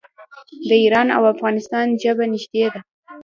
د ایران او افغانستان ژبه نږدې ده.